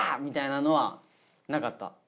みたいなのはなかった。